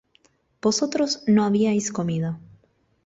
vosotros no habíais comido